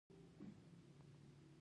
احمد يې ډېره لوړه ډنګوي.